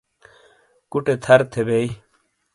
کوٹے تھر تھے بئی